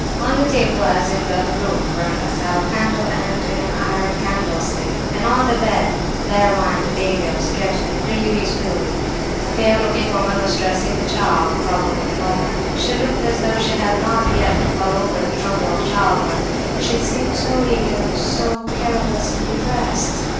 "On the table, as in the other room, burned a tallow candle end in an iron candlestick; and on the bed there whined a baby of scarcely three weeks old. A pale looking woman was dressing the child, probably the mother; she looked as though she had not as yet got over the trouble of childbirth, she seemed so weak and was so carelessly dressed.